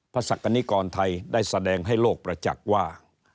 ศักดิกรไทยได้แสดงให้โลกประจักษ์ว่า